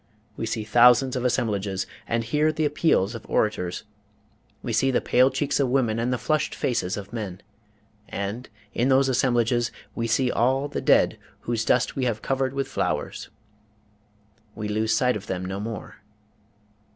We see thousands of assemblages, and hear the appeals of orators; we see the pale cheeks of women and the flushed faces of men; and in those assemblages we see all the dead whose dust we have covered with flowers. We lose sight of them no more.